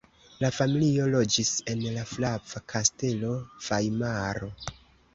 La familio loĝis en la Flava Kastelo (Vajmaro).